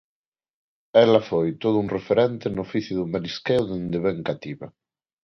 Ela foi todo un referente no oficio do marisqueo dende ben cativa.